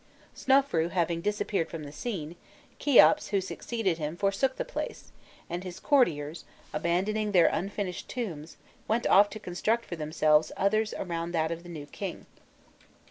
Snofrûi having disappeared from the scene, Kheops who succeeded him forsook the place, and his courtiers, abandoning their unfinished tombs, went off to construct for themselves others around that of the new king.